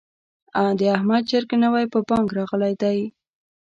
د احمد چرګ نوی په بانګ راغلی دی.